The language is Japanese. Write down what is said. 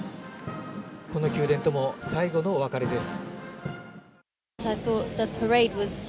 この宮殿とも最後のお別れです。